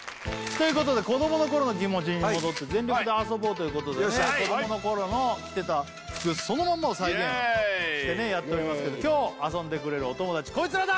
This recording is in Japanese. ということで子どもの頃の気持ちに戻って全力で遊ぼうということでね子どもの頃の着てた服そのまんまを再現してねやっておりますけど今日遊んでくれるお友達こいつらだ！